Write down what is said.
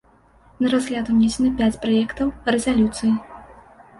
На разгляд унесена пяць праектаў рэзалюцыі.